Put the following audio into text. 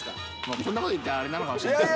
こんなこと言ったらあれなのかもしれないですけど。